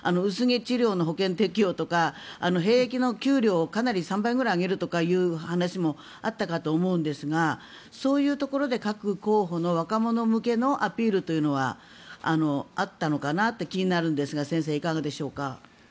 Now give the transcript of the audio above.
薄毛治療の保険適用とか兵役の給料をかなり３倍ぐらい上げるとかって話もあったかと思うんですがそういうところで各候補の若者向けのアピールというのはあったのかなと気になるんですが先生いかがでしょうか。